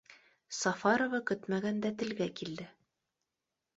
Сафарова көтмәгәндә телгә Килде: